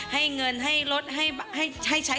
ให้เงินให้รถให้ใช้